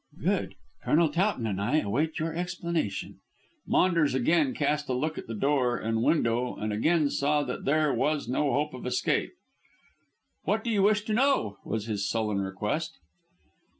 "Good! Colonel Towton and I await your explanation." Maunders again cast a look at door and window and again saw that there was no hope of escape. "What do you wish to know?" was his sullen request.